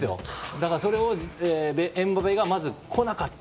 だから、それでエムバペがまず来なかった。